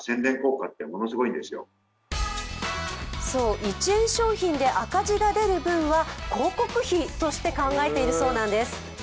そう、１円商品で赤字が出る分は広告費として考えているそうなんです。